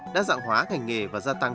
đã dạng hóa thành nghề và gia tăng